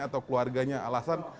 atau keluarganya alasan